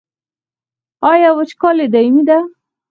آیا وچکالي دایمي ده؟